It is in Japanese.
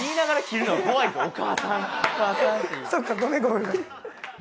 そっかごめんごめんごめん。